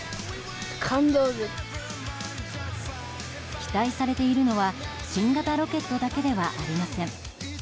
期待されているのは新型ロケットだけではありません。